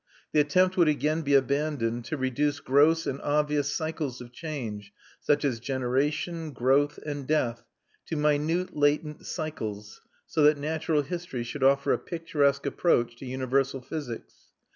The attempt would again be abandoned to reduce gross and obvious cycles of change, such as generation, growth, and death, to minute latent cycles, so that natural history should offer a picturesque approach to universal physics.